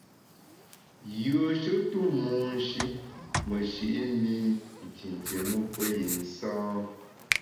Yùeshe tu monshi meshi’ mi ntintié mu pe yi nsâ.